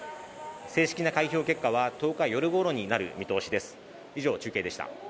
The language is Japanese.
正式な開票結果は１０日夜頃になる見通しです